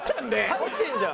入ってんじゃん。